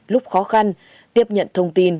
lúc khó khăn tiếp nhận thông tin